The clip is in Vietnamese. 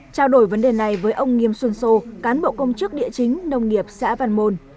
trao đổi vấn đề này với ông nghiêm xuân sô cán bộ công chức địa chính nông nghiệp xã văn môn